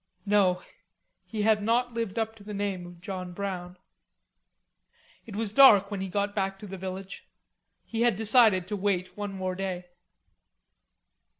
No; he had not lived up to the name of John Brown. It was dark when he got back to the village. He had decided to wait one more day.